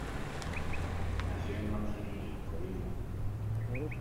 Nació en Manzanillo, Colima.